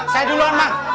saya duluan mak